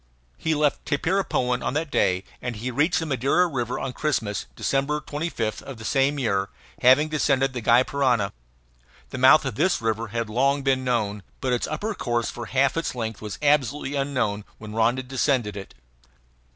He left Tapirapoan on that day, and he reached the Madeira River on Christmas, December 25, of the same year, having descended the Gy Parana. The mouth of this river had long been known, but its upper course for half its length was absolutely unknown when Rondon descended it.